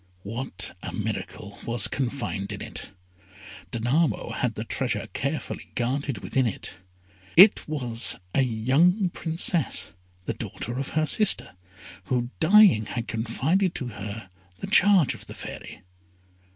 What a miracle was confined in it! Danamo had the treasure carefully guarded within it. It was a young Princess, the daughter of her sister, who, dying, had confided her to the charge of the Fairy.